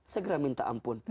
segera minta ampun